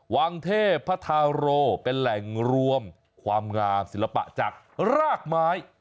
วังเทพพระธาโรเป็นแหล่งรวมความงามศิลปะจากรากไม้